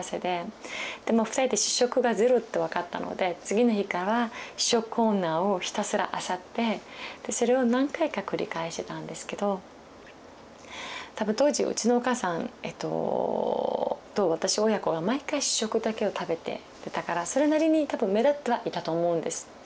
でまあ二人で試食がゼロって分かったので次の日から試食コーナーをひたすらあさってそれを何回か繰り返してたんですけど多分当時うちのお母さんと私親子が毎回試食だけを食べていたからそれなりに多分目立ってはいたと思うんです。